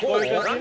何？